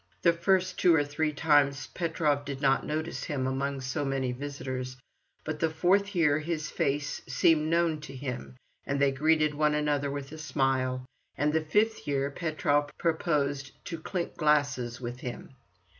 The first two or three times Petrov did not notice him among so many visitors, but the fourth year his face seemed known to him and they greeted one another with a smile—and the fifth year Petrov proposed to clink glasses with him.